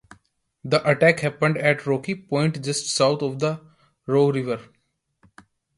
The attack happened at Rocky Point just south of the Rogue River.